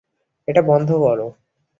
এটা বন্ধ করো।